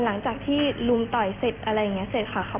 หลังจากที่ลุมต่อยเสร็จอะไรอย่างนี้เสร็จค่ะ